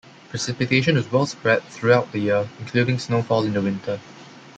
Precipitation is well-spread throughout the year, including snowfall in the winter.